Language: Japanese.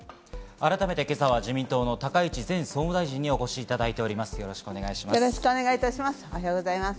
改めて今朝は自民党の高市前総務大臣にお越しいただいております。